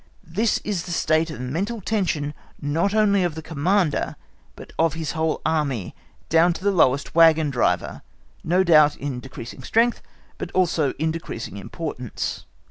—This is the state of mental tension not only of the Commander but of his whole Army down to the lowest waggon driver, no doubt in decreasing strength but also in decreasing importance.